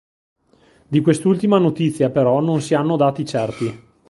Di quest'ultima notizia però non si hanno dati certi.